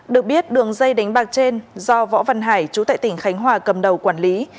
được biết đường dây đánh bạc trên do võ văn hải chú tại tỉnh khánh hòa cầm đầu quản lý